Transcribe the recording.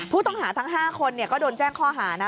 ผู้ต้องหาทั้ง๕คนก็โดนแจ้งข้อหานะ